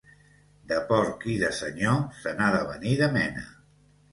De porc i de senyor se n'ha de venir de mena